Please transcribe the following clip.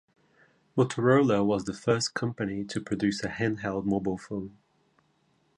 Motorola was the first company to produce a handheld mobile phone.